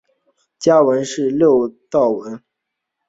家纹是六鸠酢草纹。